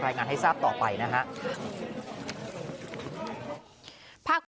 รายงานให้ทราบต่อไปนะครับ